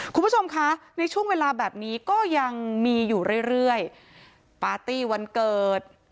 คุณผู้ชมคะในช่วงเวลาแบบนี้ก็ยังมีอยู่เรื่อยเรื่อยปาร์ตี้วันเกิด